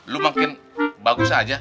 lu makin bagus aja